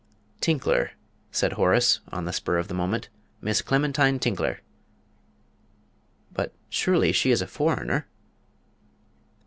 "Tinkler," said Horace, on the spur of the moment. "Miss Clementine Tinkler." "But surely she is a foreigner?"